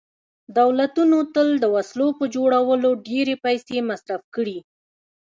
دولتونو تل د وسلو په جوړولو ډېرې پیسې مصرف کړي